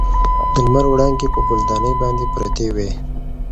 د لمر وړانګې په ګل دانۍ باندې پرتې وې.